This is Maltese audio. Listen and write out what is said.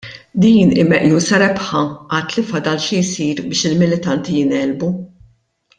Din hi meqjusa rebħa għad li fadal xi jsir biex il-militanti jingħelbu.